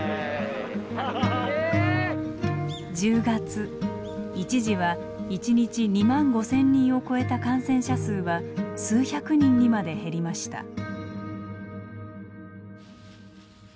１０月一時は一日２万５，０００人を超えた感染者数は数百人にまで減りました。